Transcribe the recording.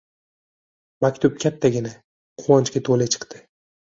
Maktub kattagina, quvonchga toʻla chiqdi